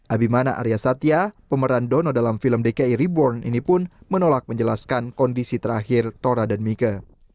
abimana arya satya pemeran dono dalam film dki reborn ini pun menolak menjelaskan kondisi terakhir tora dan mika